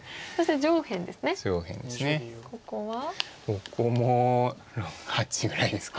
ここも８ぐらいですか。